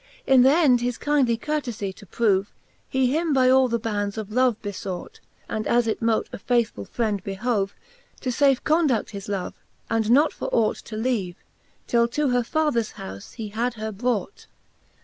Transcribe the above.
In th'end his kyndly courtefie to prove, He him by all the bands of love befought, ^ And as it mote a faithfuU friend behove, To iafecondu6i: his love, and not for ought To leave, till to her fathers houfe he had her brought.